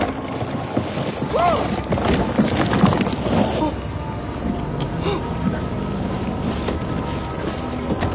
あっはっ！